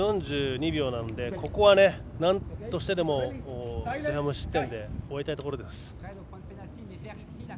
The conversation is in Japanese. ここはなんとしてでも前半、無失点で終えたいところです。